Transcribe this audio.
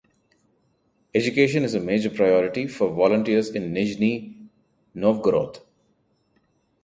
Education is a major priority for volunteers in Nizhny Novgorod.